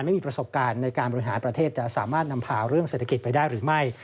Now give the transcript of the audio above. ไม่มีประสบการณ์ในการบริหารประเทศจะสามารถนำพาเรื่องเศรษฐกิจไปได้หรือไม่